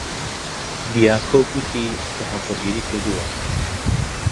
دیاکۆ گوتی کە هاوسەرگیری کردووە.